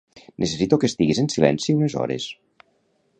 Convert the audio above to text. Necessito que estiguis en silenci unes hores.